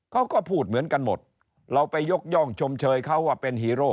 เขาก็พูดเหมือนกันหมดเราไปยกย่องชมเชยเขาว่าเป็นฮีโร่